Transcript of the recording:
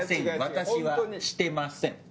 私はしてません。